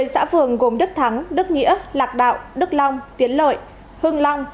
một mươi xã phường gồm đức thắng đức nghĩa lạc đạo đức long tiến lợi hưng long